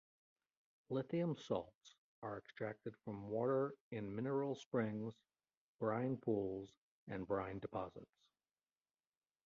Lithium salts are extracted from water in mineral springs, brine pools, and brine deposits.